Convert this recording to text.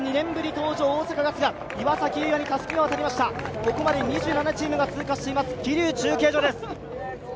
ここまで２７チームが通過しています桐生中継所です。